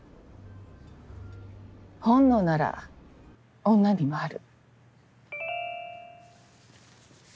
本能なら女にもある。